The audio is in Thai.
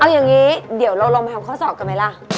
เอาอย่างนี้เดี๋ยวเราลองไปทำข้อสอบกันไหมล่ะ